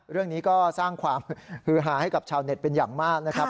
เรื่องนี้ก็สร้างความฮือหาให้กับชาวเน็ตเป็นอย่างมากนะครับ